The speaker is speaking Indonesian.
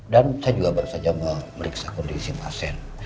dan saya juga baru saja memeriksa kondisi pasien